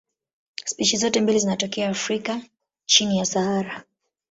Spishi zote mbili zinatokea Afrika chini ya Sahara.